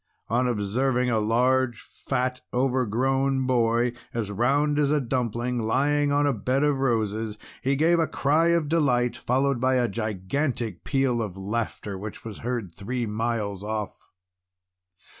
On observing a large, fat, overgrown boy, as round as a dumpling, lying on a bed of roses, he gave a cry of delight, followed by a gigantic peal of laughter which was heard three miles off.